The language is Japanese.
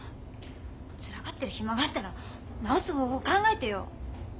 つらがってる暇があったら治す方法考えてよ！